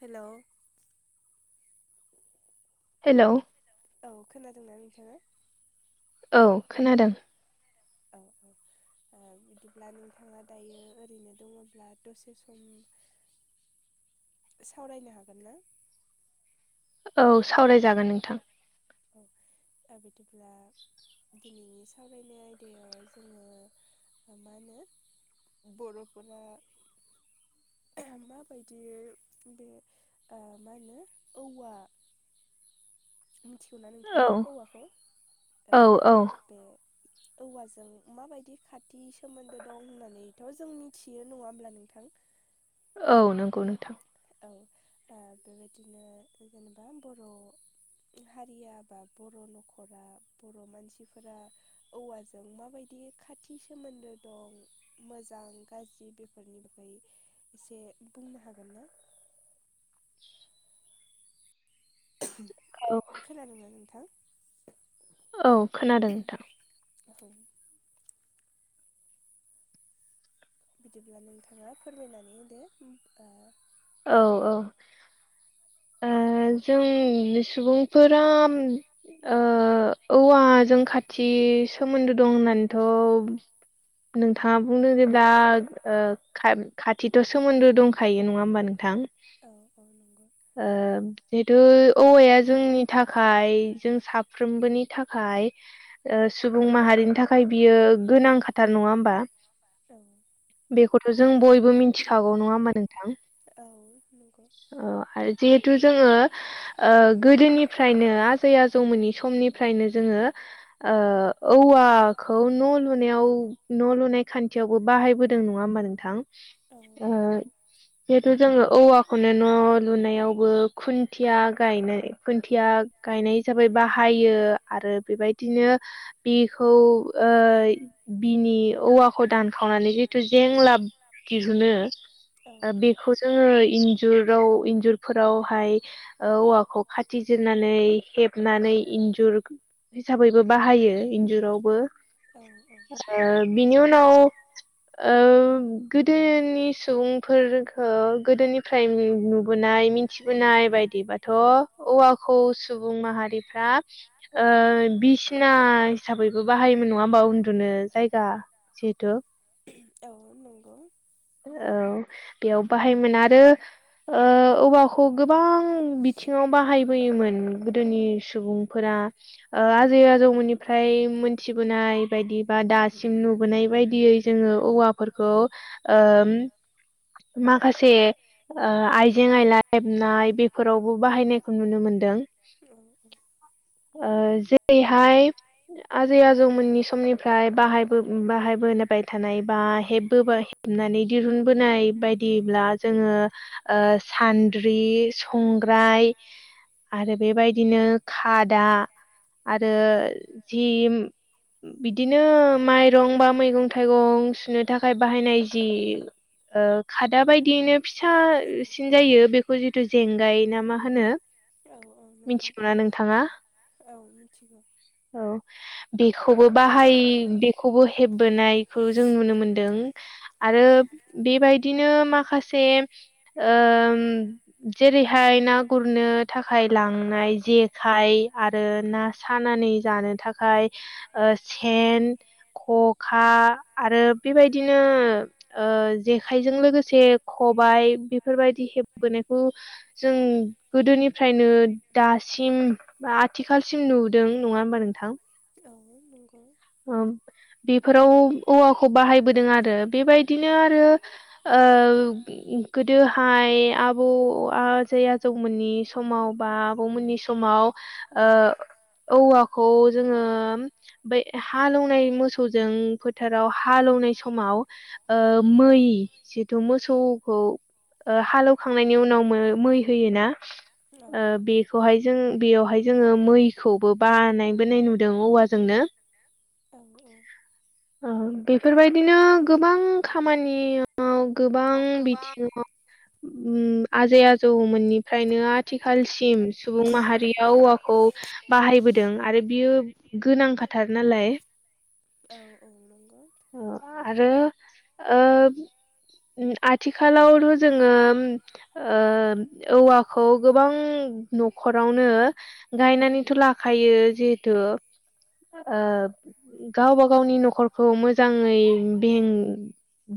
Hello hello औ खोनादोंना नोंथाङा? औ खोनादों औ ओ बिदिब्ला नोंथाङा दायो ओरैनो दङब्ला दसे सम सावरायनो हागोन ना? औ सावरायजागोन नोंथां औ दा बिदिब्ला दिनैनि सावरायनाय आयदायाव जोङो मा होनो बर'फोरा [unintelligible] माबायदियै बे ओ मा होनो औवा मिथिगौना औ नोंथाङा औवाखौ औ बे औवाजों माबायदि खाथि सोमोन्दो दं होननानैथ' जों मिथियो नङा होमब्ला नोंथां? औ नोंगौ नोंथां। औ ओ बेबायदिनो जेनेबा बर' हारिया बा बर' न'खरा बर' मानसिफोरा औवाजों मा बायदि खाथि सोमोन्दो दं मोजां गाज्रि बेफोरनि बागै एसे बुंनो हागोन ना? औ खोनादों ना नोंथां? औ खोनादों नोंथां। [unintelligible] बिदिब्ला नोंथाङा फोरमायनानै होदो ओ औ औ ओ जोंनि सुबुंफोरा ओ औवाजों खाथि सो मोन्दो दं होननानैथ' नोंथाङा बुंदों जे दा ओ खाथिथ' सोमोन्दो दंखायो नङा होमबा नोंथां? औ औ नंगौ। ओम जिहेतु औवाया जोंनि थाखाय जों साफ्रोमबोनि थाखाय सुबुं माहारिनि थाखाय बियो गोनां खाथार नङा होमबा? औ बेखौथ' जों बयबो मिथिखागौ नङा होमबा नोंथां? औ नंगौ। औ आरो जिहेथु जोङो गोदोनिफ्रायनो आजै आजौमोननि समनिफ्रायनो जोङो ओ औवाखौ न' लुनायाव न' खान्थियावबो बाहायबोदों नङा होमबा नोंथां? औ नंगौ औ नंगौ सुबुंफोरा आजै आजौमोननिफ्राय मोनथिबोनाय लुनाय खान्थियाव बो बाहायबोदों। नङा होमबा नोंथां? औ नंगौ। जिहेतु जोङो औवाखौनो न' लुनायावबो खुन्थिया गायनाय खुन्थिया गायनाय जाबाय बाहायो आरो बेबायदिनो बेखौ ओ बिनि औवाखौ दानखावनानै जिथु जेंलाब दिहुनो बेखौ जोङो इन्जुराव इन्जुरफोरावहाय औवाखौ खाथिजिरनानै हेबनानै इन्जुर हिसाबैबो बाहायो इन्जुरावबो। ओ बिनि उनाव ओ गोदोनि सुबुंफोर हो गोदोनिफ्राय नुबोनाय मिथिबोनाय बायदिबाथ' औवाखौ सुबुं माहारिफ्रा ओ बि सिना हिसाबैबो बाहायोमोन नङा होमबा उन्दुनो जायगा जिहेथु [unintelligible] औ नंगौ। औ बेयाव बाहायमोन आरो ओ औवाखौ गोबां बिथिङाव बाहायबोयोमोन गोदोनि सुबुं फोरा ओ आजै आजौमोननिफ्राय मोन्थिबोनाय बा दासिम नुबोनाय बायदियै जोङो औवा फोरखौ ओम माखासे ओ आइजें आयला हेबनाय बेफोरावबो बाहायनायखौ नुनो मोनदों। उम उम ओ जेरैहाय आजै आजौ मोननि समनिफ्राय बाहायबो बाहायबोबाय थानाय बा हेबबो नानै दहुनबोनाय बायदिब्ला जोङो ओ सान्द्रि संग्राय आरो बेबायदिनो खादा आरो जिम बिदिनो माइरं बा मैगं थाइगं सुनो थाखाय बाहायनाय दि खादा बायदियैनो फिसासिन जायो बेखौ जितु जेंगाय ना मा होनो म [unintelligible] मिथिगौना नोंथाङा औ मिथिगौ औ बेखौबो बाहाय बेखौ खौबो हेबबोनायखौ जों नुनो मोनदों आरो बेबायदिनो माखासे ओम जेरैहाय ना गुरनो थाखाय लांनाय जे खाय आरो ना सानानै जानो थाखाय सेन खखा आरो बेबायदिनो जेखाइजों लोगोसे खबायाइ बेफोरबायदि हेबबोनायखौ जों गोदोनिफ्राय नो दासिम बा आथिखालसिम नुदों नङा होमबा नोंथां औ नंगौ बेफोराव औवाखौ बाहायबोदों आरो बेबायदिनो आरो ओ गोदोहाय आबौ आजै आजौमोननि समाव बा आबौमोननि समाव ओ औवाखौ जोंङो बै हालौवनाय मोसौजों फोथाराव हालौनाय समाव ओ मै जिथु मोसौखौ ओ हालौखांनायनि उनाव मै होयो ना ओ बे बेखौहाय जों बेयावहाय जोङो मैखौबो बानायबोनाय नुदों औवाजोंनो औ औ औ बेफोरबायदिनो गोबां खामानि गोबां बिथिङाव आजै आजौमोननि फ्रायनो आथिखालसिम सुबुं माहारियाव औवाखौ बाहायबोदों आरो बियो गोनां खाथार नालाय औ औ नंगौ आरो [unintelligible] आथिखालावल' जोंङो ओ औवाखौ गोबां न'खरावनो गायनानैथ' लाखायो जिहेथु ओ गावबा गावनि न'खरखौ मोजाङै बेें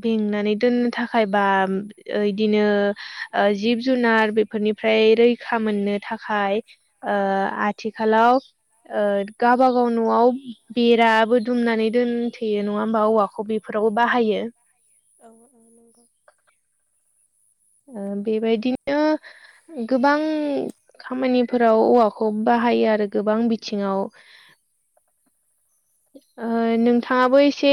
बेंनानै दोननो थाखाय बा इदिनो जिब जुनार बेफोरनिफ्राय रैखा मोननो थाखाय ओ आथिखालाव ओ गाबा गाव औ न'आव बेराबो दुमनानै दोनथेयो नङा होमबा औवाखौ बेफोरावबो बाहायो औ औ नंगौ ओ बेबायदिनो गोबां खामानिफोराव औवाखौ बाहायो आरो गोबां बिथिङाव [unintelligible] ओ नोंथाङाबो एसे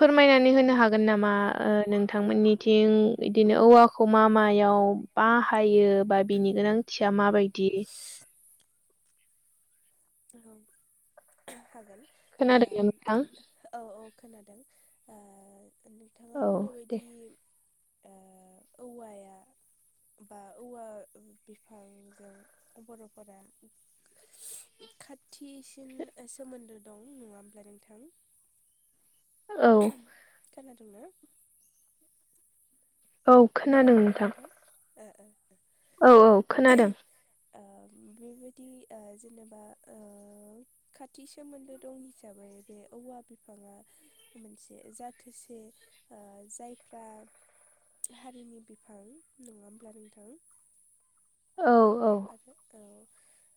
फोरमायनानै होनो हागोन नामा ओ नोंथांमोननिथिं बिदिनो औवा खौ मा मायाव बाहायो बा बिनि गोनांथिया माबायदि? औ हागोन ओ खोनादोंना नोंथां? औ औ खोनादों नोंथाङा औ बुंनाय दे बायदि ओ औवाया बा औवा बिफांजों बर'फोरा खाथिसिन सोमोन्दो दं नङा होमब्ला नोंथां? औ खोनादोंंना? औ खोनादों खोनादोंंना नोंथां? ओ-ओ। औ-औ खोनादों। ओ बेबायदि ओ जेनेबा ओ खाथि सोमोन्दो दं हिसाबै बे औवा बिफाङा मोनसे जाथोसे जायफ्रा हारिनि बिफां नङा होमब्ला नोंथां? औ-औ! औ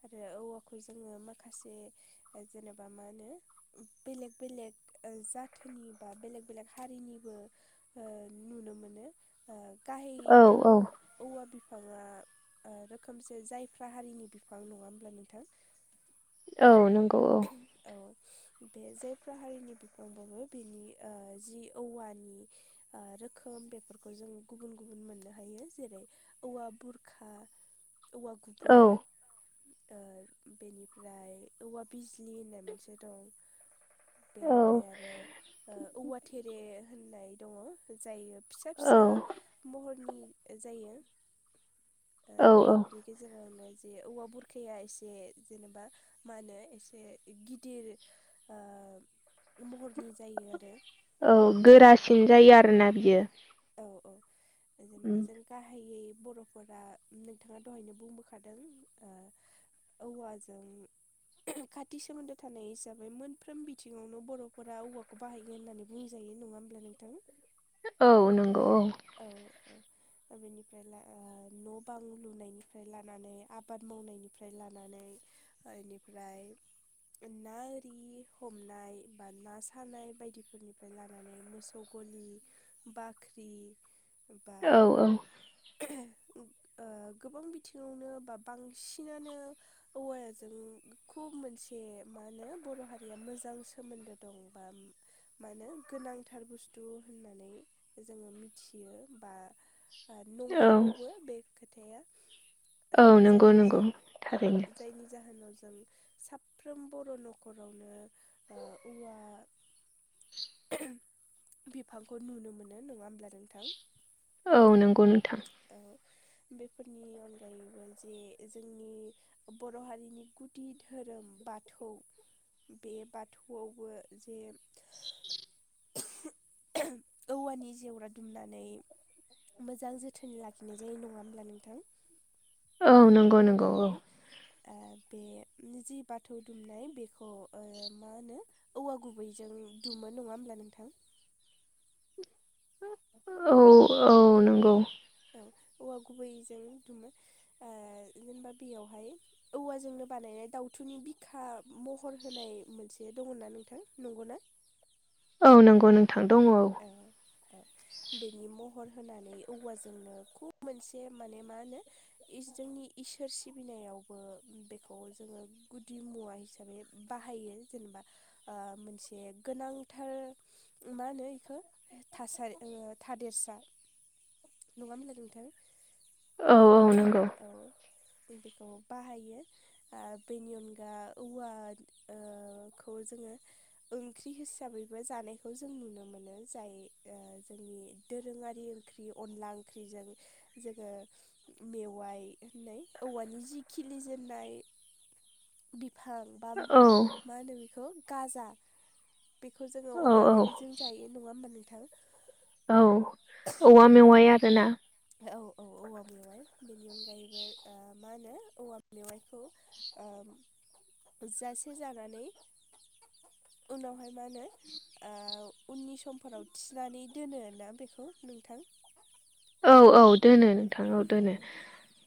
आरो औवाखौ जोङो माखासे जेनेबा मा होनो? बेलेग बेलेग जाथोनि बा बेलेग-बेलेग हारिनिबो नुनो मोनो। औ गाहायैथ' औ औवा बिफाङा ओ रोखोमसे जायफ्रा हारिनि बिफां नङा होमब्ला नोंथां? औ नंगौ औ। औ बे जायफ्रा हारिनि बिफांबो बेनि ओ जि औवानि रोखोम बेफोरखौ जों गुबुन गुबुन मोननो हायो, जेरै औवा बुरखा औवा औ गुबै ओ बेनिफ्राय औवा बिजलि होननाय मोनसे दं। औ बेनिफ्राय आरो औवा थेरे होननाय दङ जायो फि फिसा औ फिसा महरनि जायो औ बे बेनि गेजेरावनो जे औवा बुरखाया एसे जेनेबा मा होनो एसे गिदिर ओ महरनि जायो आरो। औ गोरासिन जायो आरो ना बियो। औ-औ जेनेबा उम जों गाहायै बर'फोरा नोंथाङा दहायनो बुंबोखादों ओ औवाजों खाथि सोमोन्दो थानाय हिसाबै मोनफ्रोम बिथिङावनो बर'फोरा औवाखौ बाहायगोन होन्नानै बुंजायो नङा होमब्ला नोंथां? औ नंगौ औ। औ ओ। बेनिफ्राय ओ न' बां लुनायनिफ्राय लानानै आबाद मावनायनिफ्राय लानानै इनिफ्राय ना आरि हमनाय बा ना सानाय बायदिफोरनिफ्राय लानानै मोसौ गलि बाख्रि बा औ औ ओ गोबां बिथिङावनो बा बांसिनानो औवाजों खुब मोनसे मा होनो बर' हारिया मोजां सोमोन्दो दं बा मानो गोनांथार बुस्थु होननानै जोङो मिथि यो बा औ नंखागौबो बे खोथाया। ओ औ नंगौ जायनि नंगौ जा औ थारैनो जायनि जाहोनाव जों साफ्रोम बर' न'खरावनो ओ औवा बिफांखौ नुनो मोनो नङा होमब्ला नोंथां? औ नंगौ नोंथां। औ बेफोरनि अनगायैबो जे जोंनि बर' हारिनि गुदि धोरोम बाथौ बे बाथौआवबो जे औवानि जेवरा दुमनानै मोजां जोथोनै लाखिनाय जायो नङा होमब्ला नोंथां? औ नंगौ नंगौ औ। ओ बे जि बाथौ दुमनाय बेखौ ओ मा होनो औवा गुबैजों दुमो नङा होमब्ला नोंथां? औ औ नंगौ। औ औवा गुबैजों दुमो ओ जेनेबा बेयावहाय औवाजोंनो बानायनाय दाउथुनि बिखा महर होनाय मोनसे दङना नोंथां नंगौना? औ नंगौ नोंथां दङ। ओ औ बेनि महर होनानै औवाजोंनो खुब मोनसे माने मा होनो जोंनि इसोर सिबिनायावबो बेखौ जोंङो गुदि मुवा हिसाबै बाहायो जेनेबा ओ मोनसे गोनांथार मा होनो? हो थासारि थादेरसा नङा होमब्ला नोंथां? औ औ नंगौ औ बेखौ बाहायो ओ बेनि अनगा औवाखौ जोंङो ओंख्रि हिसाबैबो जानायखौ जों नुनो मोनो जाय ओ जोंनि दोरोङारि ओंख्रि अनला ओंख्रिजों जोंङो मेवाइ होननाय औवानि जि खिलिजेननाय बिफां बा औ मा होनो बेखौ गाजा बेखौ जोंङो औ अनला औ ओंख्रिजों जायो नङा होमबा नोंथां औ औवा औ मेवाइ आरोना। औ औ औवा मेवाय बेनि अनगायैबो ओ मा होनो औवा मेवाइखौ ओ जासे जानानै उनावहाय मा होनो ओ उननि समफोराव थिनानै दोनो ना बेखौ नोंथां औ औ दोनो। नोंथां औ दोनो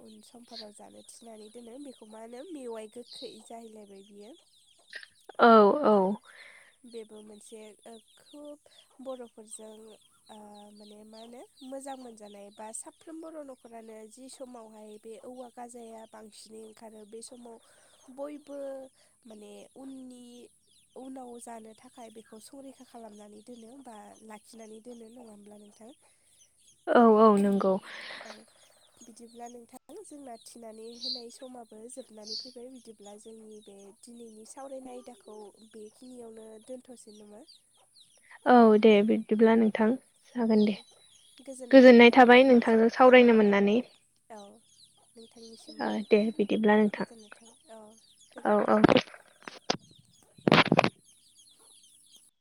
उन समफोराव जानो थिनानै दोनो बेखौ मा होनो मेवाइ गोखै जाहैलायबाय बियो। औ बेबो मोनसे खोब बर'फोरजों ओ माने मा होनो मोजां मोनजानाय बा साफ्रोमबो बर' न'खर नखरानो जि समावहाय बे औवा गाजाया बांसिनै ओंखारो बे समाव बयबो माने उननि उनाव जानो थाखाय बेखौ संरैखा दोनो बा लाखिनानै दोनो नङा होमब्ला नोंथां। औ औ नंगौ। औ बिदिब्ला नोंथां जोंना थिनानै होनाय समाबो जोबनानै फैबाय बिदि अब्ला जोंनि बे दिनैनि सावरायनाय आयदाखौ बेखिनियावनो दोनथ'सै नामा? औ दे बिदिब्ला नोंथां। जागोन औ दे गोजोननाय थाबाय नोंथांजों सावरायनो मोननानै। औ ओ नोंथांनिसिमबो दे बिदिब्ला नोंथां गोजोननाय थाबाय अ औ गोजोन्थों औ